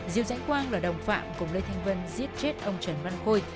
diêu dãnh quang là đồng phạm cùng lê thanh vân giết chết ông trần văn khôi